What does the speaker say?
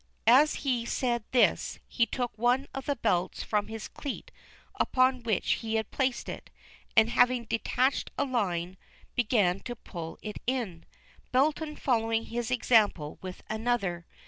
As he said this, he took one of the belts from his cleat upon which he had placed it, and having detached a line, began to pull it in, Belton following his example with another.